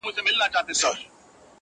زه دې د سجود په انتهاء مئين يم,